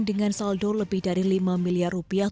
dengan saldo lebih dari lima miliar rupiah